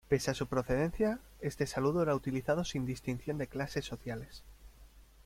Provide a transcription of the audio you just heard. Pese a su procedencia, este saludo era utilizado sin distinción de clases sociales.